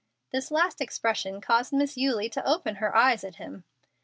This last expression caused Miss Eulie to open her eyes at him.